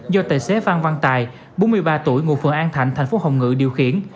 do tài xế phan văn tài bốn mươi ba tuổi ngụ phường an thạnh thành phố hồng ngự điều khiển